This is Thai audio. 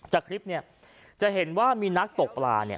จากคลิปจะเห็นว่ามีนักตกปลา